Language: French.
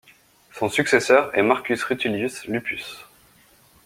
Son successeur est Marcus Rutilius Lupus.